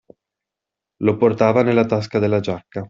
Lo portava nella tasca della giacca.